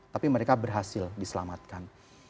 tapi mereka berhasil diselamatkan